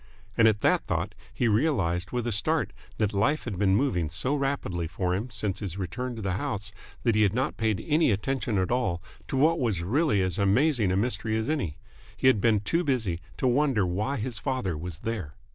And at that thought he realised with a start that life had been moving so rapidly for him since his return to the house that he had not paid any attention at all to what was really as amazing a mystery as any. He had been too busy to wonder why his father was there.